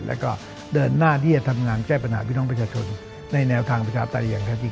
และก็เดินหน้าที่จะทำงานแก้ปัญหาพินองประชาชนในแนวทางประชาติอย่างกันอีก